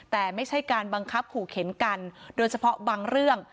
แต่ไม่ใช่การบังคับขู่เข็นกันโดยเฉพาะบางเรื่อง